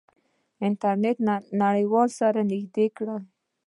انټرنیټ نړیوال سره نزدې کړل.